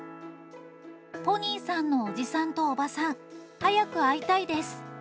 ポニーさんのおじさんとおばさん、早く会いたいです。